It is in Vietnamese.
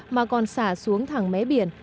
mà còn xả xuống thẳng mé biển